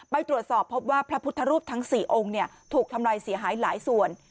ไปตรวจสอบพบว่าพระพุทธรูปทั้ง๔องค์ถูกทำลายเสียหายหลายส่วน